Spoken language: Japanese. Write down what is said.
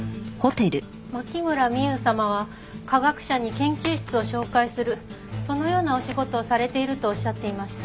牧村美優様は科学者に研究室を紹介するそのようなお仕事をされているとおっしゃっていました。